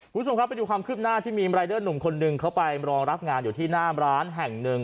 คุณผู้ชมครับไปดูความคืบหน้าที่มีรายเดอร์หนุ่มคนหนึ่งเขาไปรอรับงานอยู่ที่หน้าร้านแห่งหนึ่ง